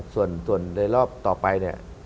ส่วนในรอบต่อไปเนี่ย